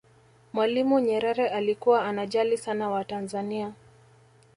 mwalimu nyerere alikuwa anajali sana watanzania